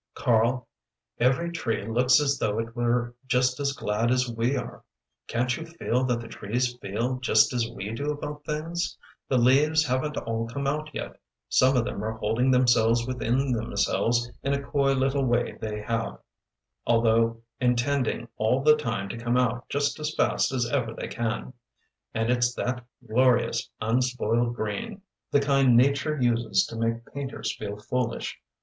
"Karl every tree looks as though it were just as glad as we are! Can't you feel that the trees feel just as we do about things? The leaves haven't all come out yet, some of them are holding themselves within themselves in a coy little way they have although intending all the time to come out just as fast as ever they can. And it's that glorious, unspoiled green the kind nature uses to make painters feel foolish.